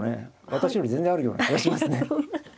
私より全然あるような気がしますね。